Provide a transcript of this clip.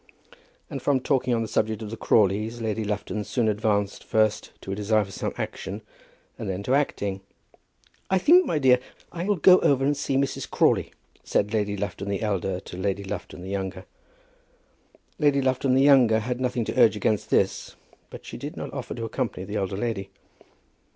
And from talking on the subject of the Crawleys, Lady Lufton soon advanced, first to a desire for some action, and then to acting. "I think, my dear, I will go over and see Mrs. Crawley," said Lady Lufton the elder to Lady Lufton the younger. Lady Lufton the younger had nothing to urge against this; but she did not offer to accompany the elder lady.